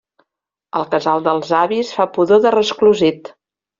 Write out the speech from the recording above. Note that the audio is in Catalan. El casal dels avis fa pudor de resclosit.